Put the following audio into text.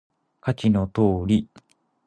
下記の通り